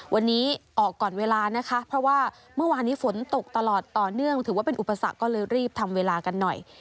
วันนี้ออกก่อนเวลานะคะเพราะว่าเมื่อวานนี้ฝนตกตลอดต่อเนื่องถือว่าเป็นอุปสรรคก็เลยรีบทำเวลากันหน่อย